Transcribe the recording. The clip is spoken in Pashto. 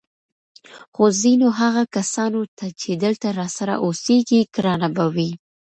خو ځینو هغه کسانو ته چې دلته راسره اوسېږي ګرانه به وي